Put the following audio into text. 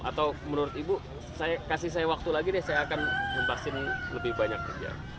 atau menurut ibu kasih saya waktu lagi deh saya akan membahasin lebih banyak kerja